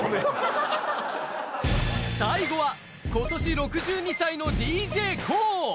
最後はことし６２歳のＤＪＫＯＯ。